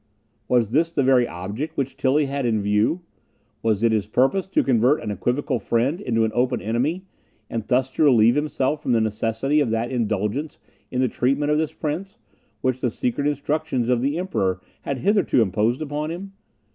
Was this the very object which Tilly had in view? Was it his purpose to convert an equivocal friend into an open enemy, and thus to relieve himself from the necessity of that indulgence in the treatment of this prince, which the secret instructions of the Emperor had hitherto imposed upon him?